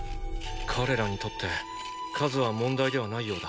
彼らにとって数は問題ではないようだ。